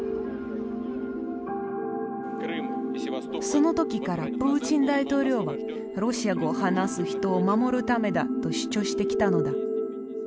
その時からプーチン大統領はロシア語を話す人を守るためだと主張してきたのだ。